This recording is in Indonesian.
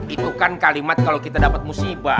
itu kan kalimat kalau kita dapat musibah